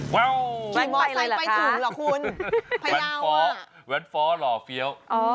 ไม่มอสไซด์ไปถูกหรอคุณแวนฟ้อแวนฟ้อหล่อเฟี้ยวอ๋อ